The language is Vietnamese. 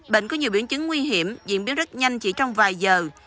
bệnh có nhiều biển chứng nguy hiểm diễn biến rất nhanh chỉ trong vài giờ